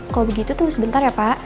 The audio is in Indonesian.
kalau begitu tunggu sebentar ya pak